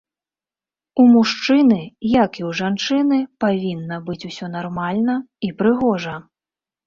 У мужчыны, як і ў жанчыны, павінна быць усё нармальна і прыгожа.